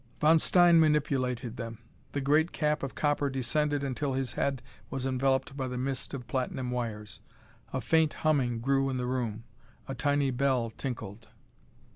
Von Stein manipulated them. The great cap of copper descended until his head was enveloped by the mist of platinum wires. A faint humming grew in the room. A tiny bell tinkled.